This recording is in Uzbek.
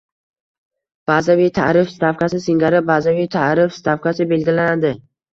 bazaviy tarif stavkasi singari bazaviy tarif stavkasi belgilanadi”.